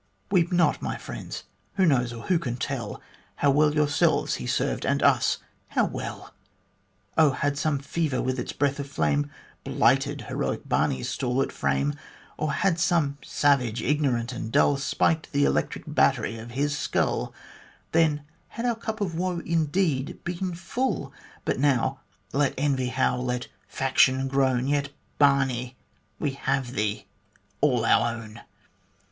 Weep not, my friends ! Who knows, or who can tell How well yourselves he served, and us, how well ? Oh ! had some fever with its breath of flame Blighted heroic Barney's stalwart frame ; Or had some savage, ignorant and dull, Spiked the electric battery of his skull, Then had our cup of woe indeed been full. But now, let envy howl, let faction groan, Yet, Barney ! yet we have thee all our own.